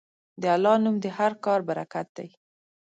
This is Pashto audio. د الله نوم د هر کار برکت دی.